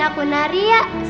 saya sudah pulang